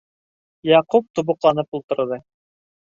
Яҡуп тубыҡланып ултырҙы.